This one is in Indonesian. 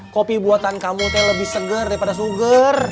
kopi buatan kamu tuh lebih seger daripada suger